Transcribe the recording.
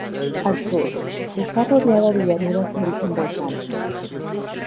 Al sur, está rodeada de llanuras de origen volcánico.